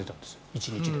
１日で。